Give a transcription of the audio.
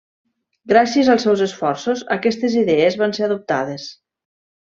Gràcies als seus esforços, aquestes idees van ser adoptades.